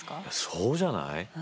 そうじゃない？